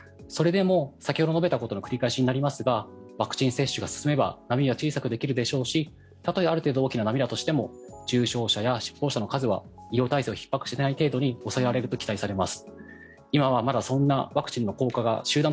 それでも先ほど述べたことの繰り返しになりますがワクチン接種が進めば波は小さくできるでしょうしたとえ大きな波でも重症者や死亡者の数は医療体制をひっ迫しない程度に抑えられると期待されます。